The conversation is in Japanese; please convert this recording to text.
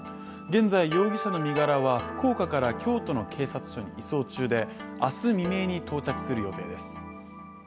現在、容疑者の身柄は福岡から京都の警察署に移送中で、明日未明に到着する予定です。